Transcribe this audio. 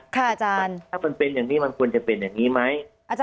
ถ้าเป็นอย่างนี้มันควรจะเป็นอย่างนี้ไหม